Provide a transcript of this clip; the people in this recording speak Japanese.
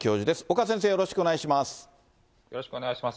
岡先生、よろしくお願いします。